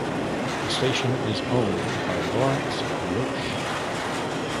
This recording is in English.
The station is owned by Lawrence Loesch.